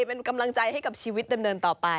มันกำลังใจให้กับชีวิตเดิมต่อไป